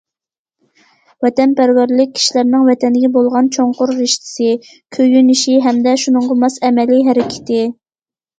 ۋەتەنپەرۋەرلىك كىشىلەرنىڭ ۋەتەنگە بولغان چوڭقۇر رىشتىسى، كۆيۈنۈشى ھەمدە شۇنىڭغا ماس ئەمەلىي ھەرىكىتى.